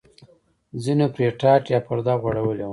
ځینو پرې ټاټ یا پرده غوړولې وه.